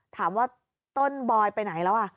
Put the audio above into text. ถามว่าต้นบอยไปไหนแล้ว